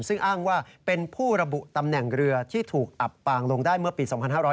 ซึ่งอ้างว่าเป็นผู้ระบุตำแหน่งเรือที่ถูกอับปางลงได้เมื่อปี๒๕๕๙